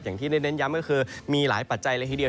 อย่างที่ได้เน้นย้ำก็คือมีหลายปัจจัยเลยทีเดียว